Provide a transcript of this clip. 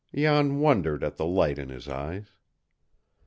Jan wondered at the light in his eyes.